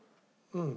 うん。